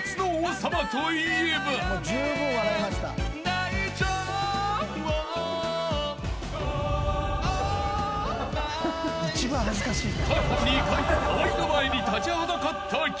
［過去２回河合の前に立ちはだかった曲］